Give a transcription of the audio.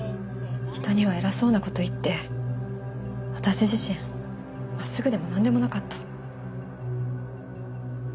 人には偉そうな事言って私自身まっすぐでもなんでもなかった。